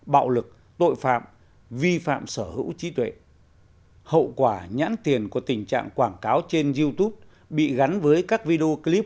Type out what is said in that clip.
bạo lực tội phạm vi phạm sở hữu trí tuệ hậu quả nhãn tiền của tình trạng quảng cáo trên youtube bị gắn với các video clip